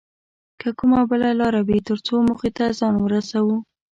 که کومه بله لاره وي تر څو موخې ته ځان ورسوو